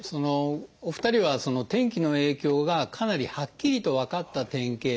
お二人は天気の影響がかなりはっきりと分かった典型例ですよね。